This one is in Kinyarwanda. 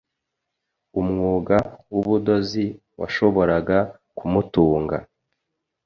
Umwuga w’ubudozi washoboraga kumutunga